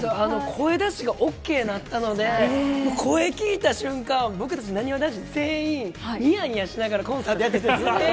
声出しがＯＫになったので、声聞いた瞬間、僕たち、なにわ男子全員、にやにやしながらコンサートやってたんです。